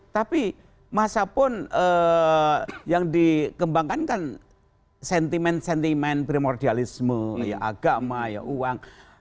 tapi masa pun yang dikembangkan kan sentimen sentimen primordialisme agama uang